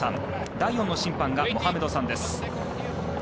第４の審判がモハメドさんです。